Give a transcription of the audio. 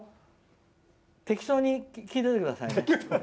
適当に聞いていてくださいね。